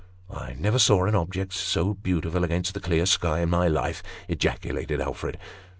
" I never saw an object stand out so beautifully against the clear sky in my life," ejaculated Alfred.